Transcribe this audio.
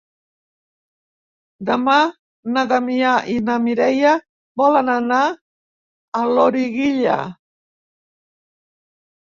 Demà na Damià i na Mireia volen anar a Loriguilla.